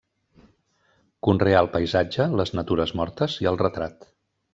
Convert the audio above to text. Conreà el paisatge, les natures mortes i el retrat.